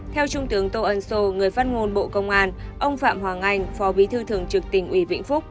theo trung tướng tô ân sô người phát ngôn bộ công an ông phạm hoàng anh phó bí thư thường trực tỉnh ủy vĩnh phúc